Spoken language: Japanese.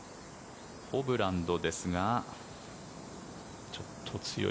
ホブランドですがちょっと強い。